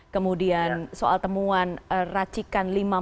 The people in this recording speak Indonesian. kemudian soal temuan racikan lima macet